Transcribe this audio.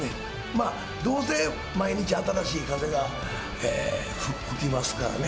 まあ、どうせ毎日、新しい風が吹きますからね。